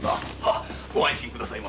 ご安心ください。